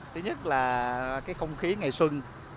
thứ nhất là cái không khí ngày xuân